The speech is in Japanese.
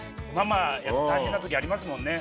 ママ大変な時ありますもんね。